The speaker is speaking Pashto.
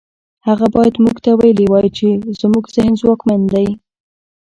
هغه بايد موږ ته ويلي وای چې زموږ ذهن ځواکمن دی.